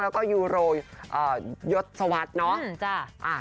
แล้วก็ยูโรยศวรรษเนาะ